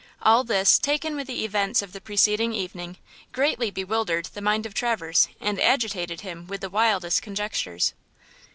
All this, taken with the events of the preceding evening, greatly bewildered the mind of Traverse and agitated him with the wildest conjectures.